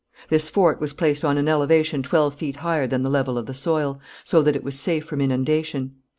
This fort was placed on an elevation twelve feet higher than the level of the soil, so that it was safe from inundation.